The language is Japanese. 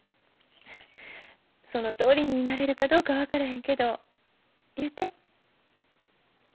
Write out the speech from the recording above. そのとおりになれるかどうか分からへんけど言うて。